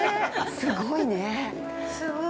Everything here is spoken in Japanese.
◆すごいねー。